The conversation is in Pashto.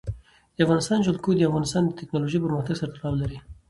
د افغانستان جلکو د افغانستان د تکنالوژۍ پرمختګ سره تړاو لري.